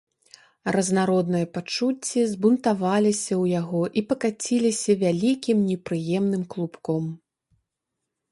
Разнародныя пачуцці збунтаваліся ў яго і пакаціліся вялікім, непрыемным клубком.